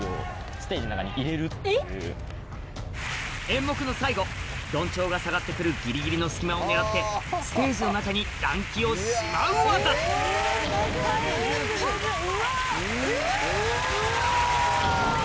演目の最後緞帳が下がってくるギリギリの隙間を狙ってステージの中に団旗をしまう技だというが初めて？